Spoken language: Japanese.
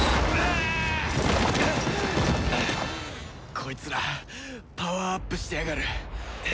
こいつらパワーアップしてやがる！